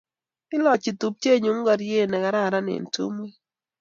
Ilochi tupchennyu ngoryet ne kararan eng' tumwek